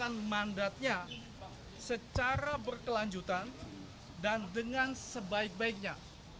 dan memaksanakan mandatnya secara berkelanjutan dan dengan sebaik baiknya